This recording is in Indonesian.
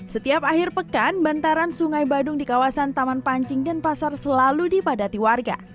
setiap akhir pekan bantaran sungai badung di kawasan taman pancing dan pasar selalu dipadati warga